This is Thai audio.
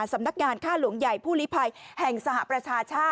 สำนักงานค่าหลวงใหญ่ผู้ลิภัยแห่งสหประชาชาติ